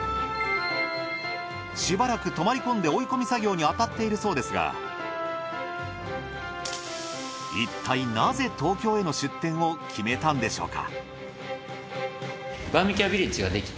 しばらく泊まり込んで追い込み作業にあたっているそうですがいったいなぜ東京への出店を決めたんでしょうか？